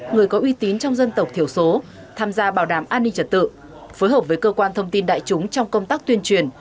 người có uy tín trong dân tộc thiểu số tham gia bảo đảm an ninh trật tự phối hợp với cơ quan thông tin đại chúng trong công tác tuyên truyền